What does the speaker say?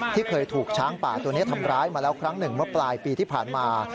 ที่เคยถูกช้างป่าตัวนี้ทำร้ายมาแล้วครั้งหนึ่งเมื่อปลายปีที่ผ่านมา